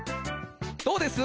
どうです？